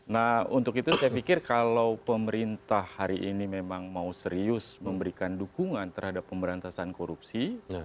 nah untuk itu saya pikir kalau pemerintah hari ini memang mau serius memberikan dukungan terhadap pemberantasan korupsi